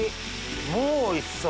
もうおいしそう。